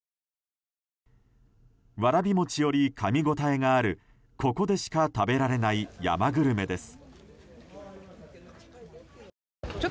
わらび餅より、かみ応えがあるここでしか食べられない山グルメです。